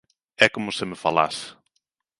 É como se me falase.